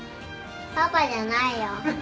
パパじゃないよ。